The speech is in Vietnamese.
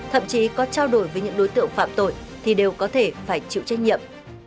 thậm chí có trao đổi với những đối tượng phạm tội thì đều có thể phải chịu trách nhiệm